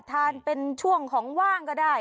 ทานเป็นช่วงของว่างก็ได้